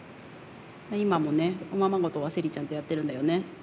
今もね、おままごとはセリちゃんとやってるんだよね。